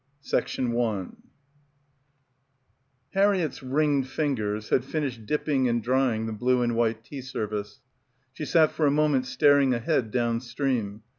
195 CHAPTER VII HARRIETT'S ringed fingers had finished dipping and drying the blue and white tea service. She sat for a moment staring ahead down stream.